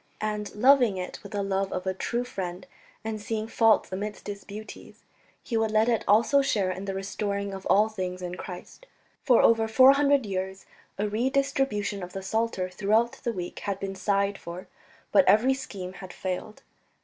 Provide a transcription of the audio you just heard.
And loving it with the love of a true friend, and seeing faults amidst its beauties, he would let it also share in "the restoring of all things in Christ." For over four hundred years a redistribution of the Psalter throughout the week had been sighed for, but every scheme had failed.